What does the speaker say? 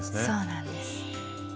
そうなんです。